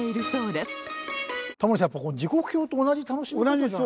タモリさんやっぱ時刻表と同じ楽しみ方じゃないですか？